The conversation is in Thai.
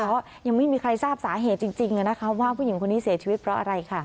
เพราะยังไม่มีใครทราบสาเหตุจริงว่าผู้หญิงคนนี้เสียชีวิตเพราะอะไรค่ะ